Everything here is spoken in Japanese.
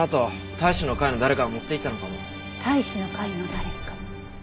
隊士の会の誰か。